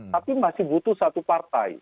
tapi masih butuh satu partai